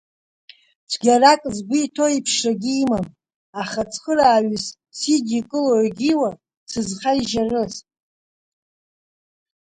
Цәгьарак згәы иҭоу иԥшрагьы имам, аха цхырааҩыс сидикыло-егьиуа, сызхаижьарыз?